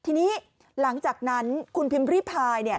ทีนี้หลังจากนั้นคุณพิมพ์ริพาย